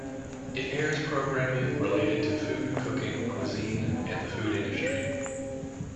It airs programming related to food, cooking, cuisine, and the food industry.